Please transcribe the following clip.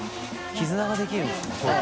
絆ができるんですね。